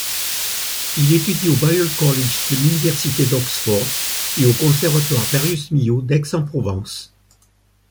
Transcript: Il étudie au Balliol College de l'Université d'Oxford, et au Conservatoire Darius Milhaud d'Aix-en-Provence.